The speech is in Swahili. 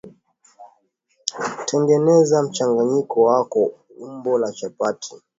Tengeneza mchanganyiko wako umbo la chapati